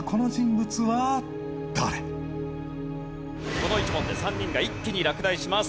この１問で３人が一気に落第します。